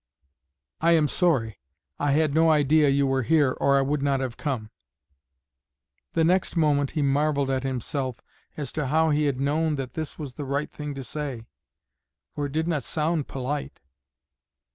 "I am sorry. I had no idea you were here, or I would not have come." The next moment he marvelled at himself as to how he had known that this was the right thing to say; for it did not sound polite.